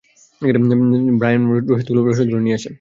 Brian, রসদগুলো নিয়ে আসো!